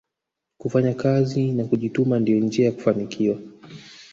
kufanya kazi na kujituma ndiyo njia ya kufanikiwa